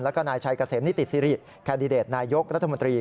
แล้วก็นายชัยเกษมนิติสิริแคนดิเดตนายกรัฐมนตรี